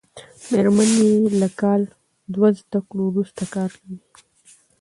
مېرمن یې له کال دوه زده کړو وروسته کار کوي.